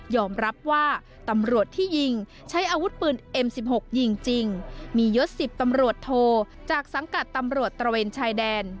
รับว่าตำรวจที่ยิงใช้อาวุธปืนเอ็มสิบหกยิงจริงมียศ๑๐ตำรวจโทจากสังกัดตำรวจตระเวนชายแดน